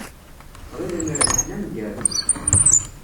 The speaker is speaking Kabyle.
Ɣilen rebḥen amgaru.